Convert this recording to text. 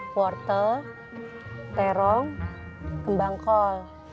wortel perong kembang kol